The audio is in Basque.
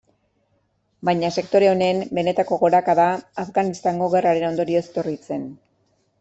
Baina sektore honen benetako gorakada Afganistango gerraren ondorioz etorri zen.